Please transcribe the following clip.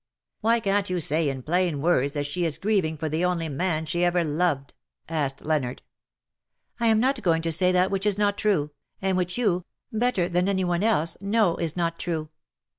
''''" Why can^t you say in plain words that she is grieving for the only man she ever loved/^ asked Leonard. '^ I am not going to say that which is not true ; and which you, better than any one else, know is not true.